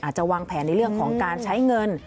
จะวางแผนในเรื่องของการใช้เงิน